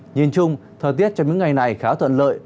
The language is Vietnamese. nhìn chung thời tiết trong những ngày này khá thuận lợi